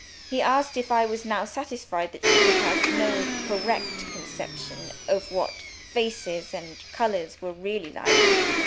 He asked if I was now satisfied that she could have no correct conception of what faces and colors were really like?